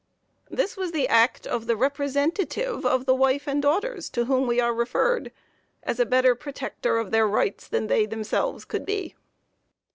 This was the act of the representative of the wife and daughters to whom we are referred, as a better protector of their rights than they themselves could be.